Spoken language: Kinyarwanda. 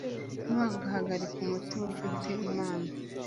ntugahagarike umutima, dufite imana